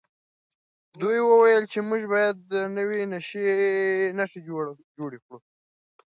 دوی وویل چې موږ باید نوي نښې جوړې کړو.